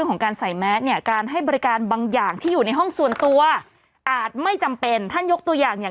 เออจริงนะอะไรพวกนี้ต้องมาถามป๋องสิ